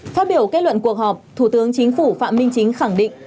phát biểu kết luận cuộc họp thủ tướng chính phủ phạm minh chính khẳng định